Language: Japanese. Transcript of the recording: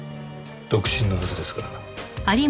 独身のはずですが。